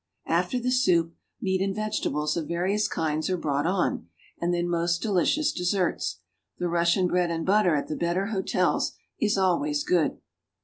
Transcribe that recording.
After the soup, meat and vegetables of various kinds are brought on, and then most delicious desserts. The Russian bread and butter at the better hotels is always good.